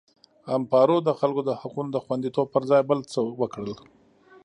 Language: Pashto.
امپارو د خلکو د حقونو د خوندیتوب پر ځای بل څه وکړل.